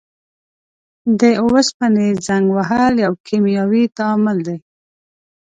د اوسپنې زنګ وهل یو کیمیاوي تعامل دی.